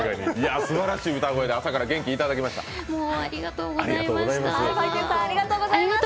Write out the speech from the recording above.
すばらしい歌声で朝から元気をいただきました。